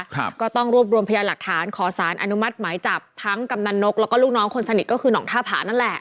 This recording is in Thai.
ก็ต้องรวบรวมพยานหลักฐานขอสารอนุมัติหมายจับทั้งกำนันนกแล้วก็ลูกน้องคนสนิทก็คือหนองท่าผานั่นแหละ